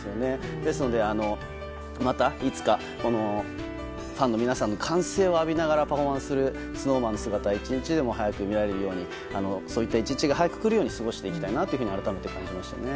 ですので、またいつかファンの皆さんの歓声を浴びながらパフォーマンスするＳｎｏｗＭａｎの姿を１日でも早く見られるようにそういった１日が早く来るように過ごしていきたいなと改めて感じましたね。